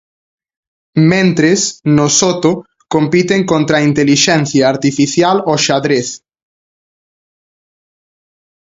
Mentres, no soto, compiten contra a Intelixencia Artificial ao xadrez.